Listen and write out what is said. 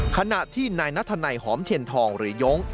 ขณะที่นายนัทนัยหอมเทียนทองหรือย้ง